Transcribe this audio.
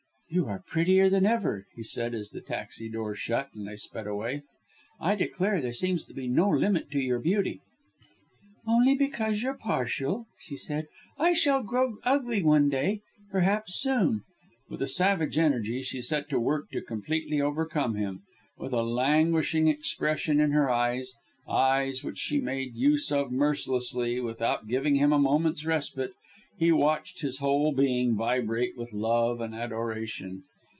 "You are prettier than ever," he said, as the taxi door shut and they sped away. "I declare there seems no limit to your beauty." "Only because you're partial," she said. "I shall grow ugly one day. Perhaps soon." With a savage energy, she set to work to completely overcome him. With a languishing expression in her eyes eyes, which she made use of mercilessly, without giving him a moment's respite she watched his whole being vibrate with love and adoration.